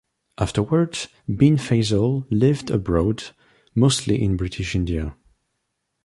Afterward, bin Feisal lived abroad, mostly in British India.